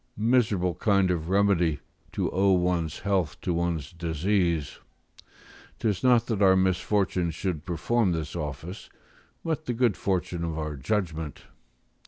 Miserable kind of remedy, to owe one's health to one's disease! Tis not that our misfortune should perform this office, but the good fortune of our judgment.